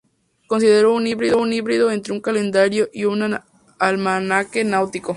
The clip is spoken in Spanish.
Se consideró un híbrido entre un calendario y un almanaque náutico.